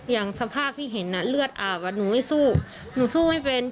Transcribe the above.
อย่างสภาพที่เห็นเลือดอาบหนูไม่สู้หนูสู้ไม่เป็น